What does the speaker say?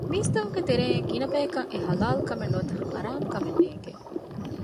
މީސްތަކުންގެ ތެރެއިން ގިނަ ބަޔަކަށް އެ ޙަލާލު ކަމެއް ނުވަތަ ޙަރާމް ކަމެއް ނޭނގެ